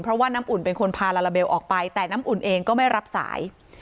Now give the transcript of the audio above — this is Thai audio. เพราะว่าน้ำอุ่นเป็นคนพาลาลาเบลออกไปแต่น้ำอุ่นเองก็ไม่รับสาย